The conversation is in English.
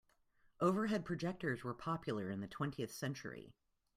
Overhead projectors were popular in the twentieth century.